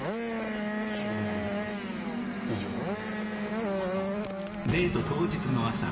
１０年以上かな。